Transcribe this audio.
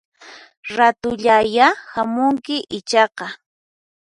Ratullayá hamunki ichaqa